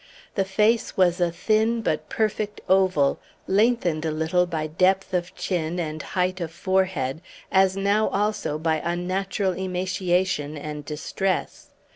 The face was a thin but perfect oval, lengthened a little by depth of chin and height of forehead, as now also by unnatural emaciation and distress.